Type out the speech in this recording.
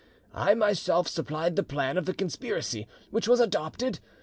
I myself supplied the plan of the conspiracy, which was adopted.